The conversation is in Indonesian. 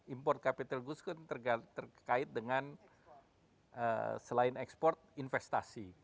import capital goods kan terkait dengan selain ekspor investasi